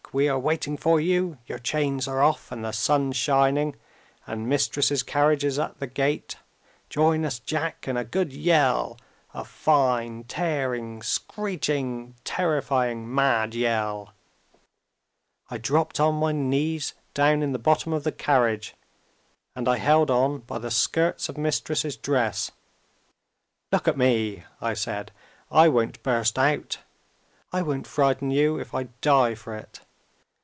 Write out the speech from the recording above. we are waiting for you; your chains are off, and the sun's shining, and Mistress's carriage is at the gate join us, Jack, in a good yell; a fine, tearing, screeching, terrifying, mad yell!' I dropped on my knees, down in the bottom of the carriage; and I held on by the skirts of Mistress's dress. 'Look at me!' I said; 'I won't burst out; I won't frighten you, if I die for it.